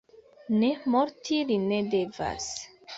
Ne, morti li ne devas!